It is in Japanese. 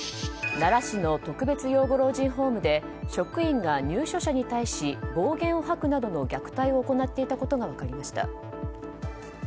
奈良市の特別養護老人ホームで職員が入所者に対し暴言を吐くなどの虐待を行っていたことが分かりました。